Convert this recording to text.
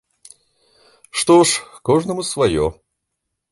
Што ж, кожнаму сваё.